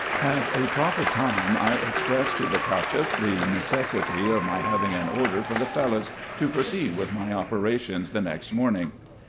At a proper time I expressed to the Cacheff the necessity of my having an order for the Fellahs, to proceed with my operations the next morning.